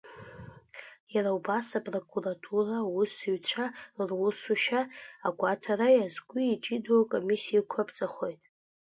Иара убас, апрокуратура аусзуҩцәа русушьа агәаҭара иазку иҷыдоу акомиссиақәа аԥҵахоит.